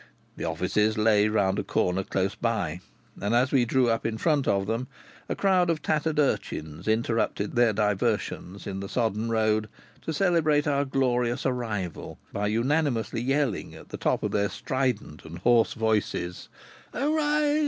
The offices lay round a corner close by, and as we drew up in front of them a crowd of tattered urchins interrupted their diversions in the sodden road to celebrate our glorious arrival by unanimously yelling at the top of their strident and hoarse voices: "Hooray!